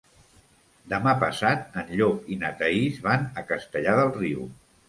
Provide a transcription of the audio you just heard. Demà passat en Llop i na Thaís van a Castellar del Riu.